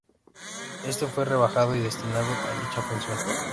Éste fue rebajado y destinado a dicha función.